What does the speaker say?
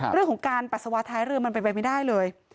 เรื่องของการปัสสาวะท้ายเรือมันเป็นไปไม่ได้เลย